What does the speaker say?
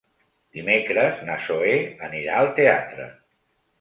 Dimecres na Zoè anirà al teatre.